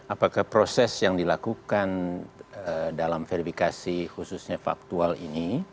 apakah proses yang dilakukan dalam verifikasi khususnya faktual ini